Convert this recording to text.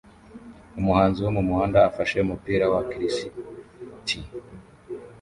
Umuhanzi wo mumuhanda afashe umupira wa kirisiti